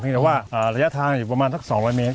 แต่ว่าระยะทางอยู่ประมาณสัก๒๐๐เมตร